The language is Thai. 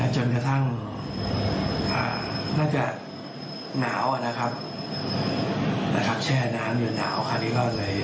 จนกระทั่งนาวแช่น้ำอยู่นาว